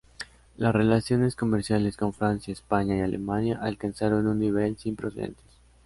Las relaciones comerciales con Francia, España y Alemania alcanzaron un nivel sin precedentes.